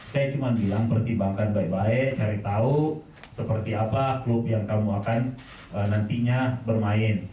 saya cuma bilang pertimbangkan baik baik cari tahu seperti apa klub yang kamu akan nantinya bermain